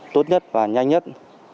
tốt nhất và nhanh nhất